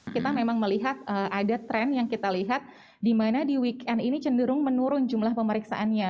kita memang melihat ada tren yang kita lihat di mana di weekend ini cenderung menurun jumlah pemeriksaannya